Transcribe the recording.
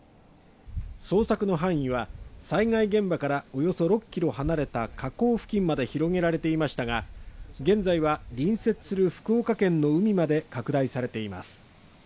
捜索の範囲は災害現場からおよそ６キロ離れた河口付近まで広げられていましたが現在は隣接する福岡県の海まで拡大されています。